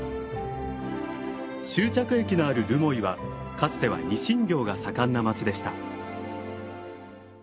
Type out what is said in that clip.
終着駅のある留萌はかつてはニシン漁が盛んな町でした。